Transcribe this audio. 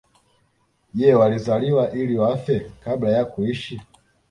Je walizaliwa ili wafe kabla ya kuishi